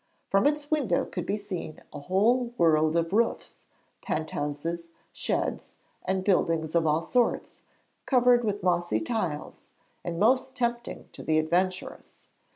From its window could be seen a whole world of roofs, penthouses, sheds, and buildings of all sorts, covered with mossy tiles, and most tempting to the adventurous.